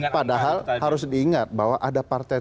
padahal harus diingat bahwa ada partai